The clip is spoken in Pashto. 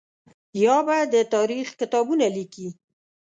یا به د تاریخ کتابونه لیکي.